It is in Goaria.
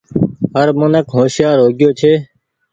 هر منک هوشيآر هو گيو ڇي۔